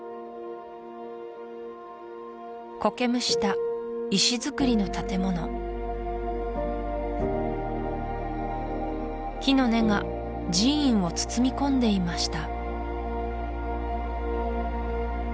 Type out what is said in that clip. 苔むした石づくりの建物木の根が寺院を包み込んでいました